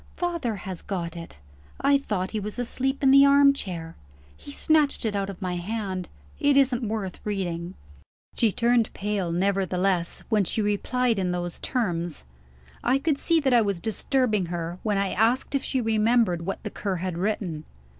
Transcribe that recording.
"Father has got it. I thought he was asleep in the armchair. He snatched it out of my hand. It isn't worth reading." She turned pale, nevertheless, when she replied in those terms. I could see that I was disturbing her, when I asked if she remembered what the Cur had written.